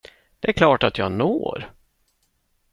Det är klart att jag når.